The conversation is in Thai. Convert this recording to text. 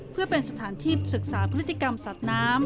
เพื่อเป็นสถานที่ศึกษาพฤติกรรมสัตว์น้ำ